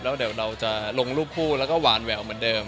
แล้วเดี๋ยวเราจะลงรูปคู่แล้วก็หวานแหววเหมือนเดิม